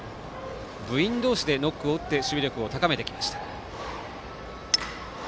部員同士でノックを打って守備力を高めてきました。